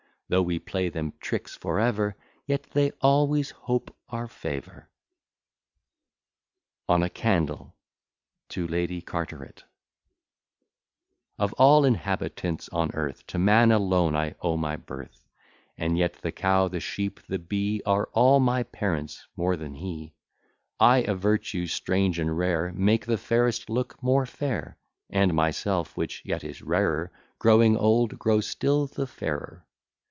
Though we play them tricks for ever, Yet they always hope our favour. ON A CANDLE TO LADY CARTERET Of all inhabitants on earth, To man alone I owe my birth, And yet the cow, the sheep, the bee, Are all my parents more than he: I, a virtue, strange and rare, Make the fairest look more fair, And myself, which yet is rarer, Growing old, grow still the fairer.